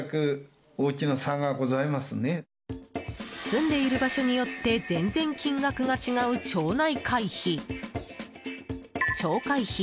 住んでいる場所によって全然、金額が違う町内会費。